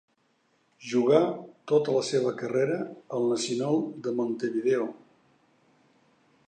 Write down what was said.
Jugà tota la seva carrera al Nacional de Montevideo.